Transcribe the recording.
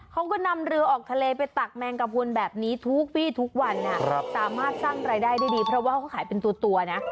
เขาก็นำเรือออกทะเลไปตักแมงกระพุนแบบนี้ทุกปีทุกวันสามารถสร้างรายได้ได้ดีเพราะว่าเขาขายเป็นตัวนะ